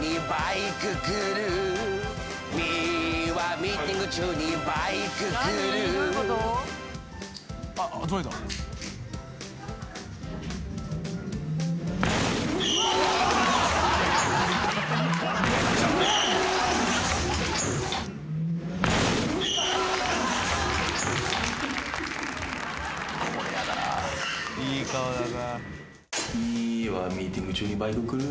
「ミはミーティング中にバイク来る」